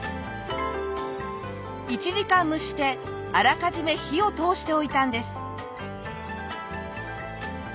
１時間蒸してあらかじめ火を通しておいたんです。